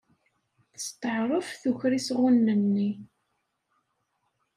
Testeɛṛef tuker isɣunen-nni.